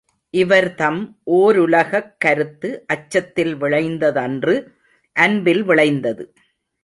இவர்தம் ஓருலகக் கருத்து அச்சத்தில் விளைந்ததன்று அன்பில் விளைந்தது.